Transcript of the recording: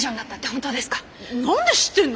何で知ってんの！？